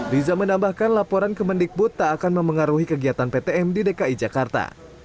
riza menambahkan laporan kemendikbud tak akan memengaruhi kegiatan ptm di dki jakarta